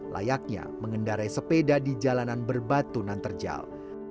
layaknya mengendarai sepeda di jalanan berbatu nanterjal